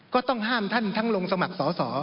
ก็ต้องห้ามท่านทั้งลงสมัครสอสอ